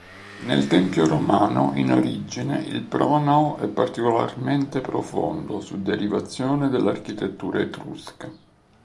Nel tempio romano in origine il pronao è particolarmente profondo, su derivazione dell'architettura etrusca.